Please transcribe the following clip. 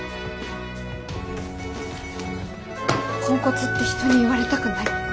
ポンコツって人に言われたくない。